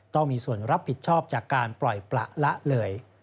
ต้องมีส่วนรับผิดชอบจากการปล่อยประละเลย